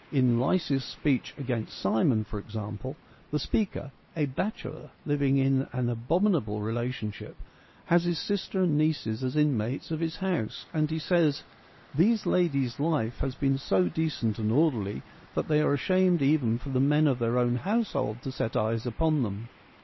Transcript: In Lysias' speech ' Against Simon,' for example, the speaker, a bachelor living in an abominable relation ship, has his sister and nieces as inmates of his house, and he says :' These ladies' life has been so decent and orderly that they are ashamed even for the men of their own household to set eyes upon them.'